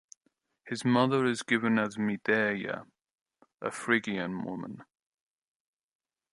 His mother is given as Mideia, a Phrygian woman.